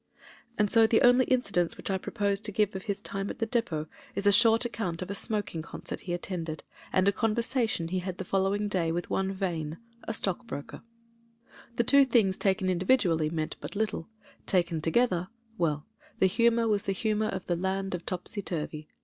And so the only incidents which I propose to give of his time at the depot is a short account of a smok ing concert he attended and a conversation he had the following day with one Vane, a stockbroker. The 257 2S8 MEN, WOMEN AND GUNS two things taken individually meant but little: taken together — ^well, the humour was the humour of the Land of Topsy Turvy.